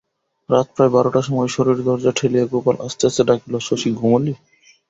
রাত প্রায় বারোটার সময় শশীর দরজা ঠেলিয়া গোপাল আস্তে আস্তে ডাকিল, শশী ঘুমোলি?